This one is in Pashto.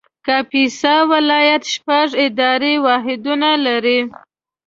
کاپیسا ولایت شپږ اداري واحدونه لري